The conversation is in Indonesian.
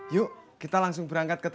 pak kamto director